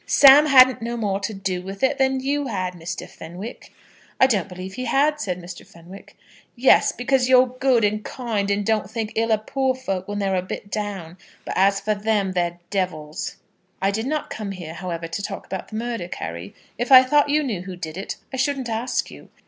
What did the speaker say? "Sam hadn't no more to do with it than you had, Mr. Fenwick." "I don't believe he had," said Mr. Fenwick. "Yes; because you're good, and kind, and don't think ill of poor folk when they're a bit down. But as for them, they're devils." "I did not come here, however, to talk about the murder, Carry. If I thought you knew who did it, I shouldn't ask you.